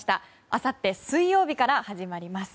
あさって水曜日から始まります。